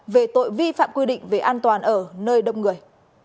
về tội vi phạm quy định về an toàn ở nơi đông người